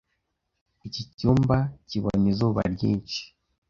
Iki cyumba kibona izuba ryinshi.